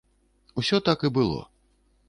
Усё так і было.